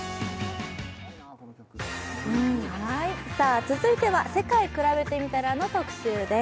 続いては「世界くらべてみたら」の特集です。